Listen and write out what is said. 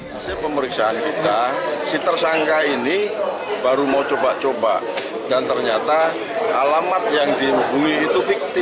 hasil pemeriksaan kita si tersangka ini baru mau coba coba dan ternyata alamat yang dihubungi itu fiktif